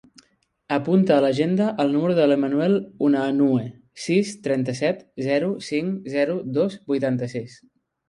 Apunta a l'agenda el número de l'Emanuel Unanue: sis, trenta-set, zero, cinc, zero, dos, vuitanta-sis.